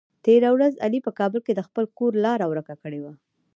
تېره ورځ علي په کابل کې د خپل کور لاره ور که کړې وه.